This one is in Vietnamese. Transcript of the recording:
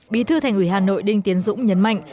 bí thư thành ủy hà nội đinh tiến dũng nhấn mạnh